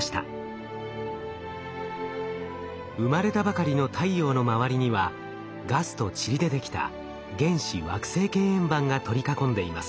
生まれたばかりの太陽の周りにはガスとちりで出来た原始惑星系円盤が取り囲んでいます。